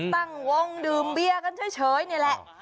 ตั้งวงดื่มเบียร์กันเฉยนี่แหละ